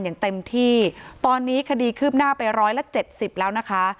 อย่างเต็มที่ตอนนี้คดีคืบหน้าไปร้อยละเจ็ดสิบแล้วนะคะ